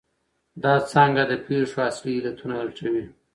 دا څانګه د پېښو اصلي علتونه لټوي.